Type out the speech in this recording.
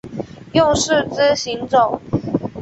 用四肢行走。